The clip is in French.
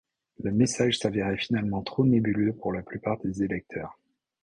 Le message s’avérait finalement trop nébuleux pour la plupart des électeurs.